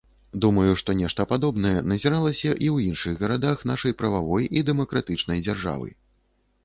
Думаю, што нешта падобнае назіралася і ў іншых гарадах нашай прававой і дэмакратычнай дзяржавы.